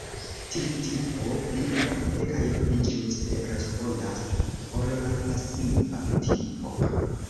Tiu tipo pli rapide kaj pli ĝuste respondas ol la pasiva tipo.